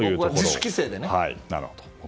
自主規制でね。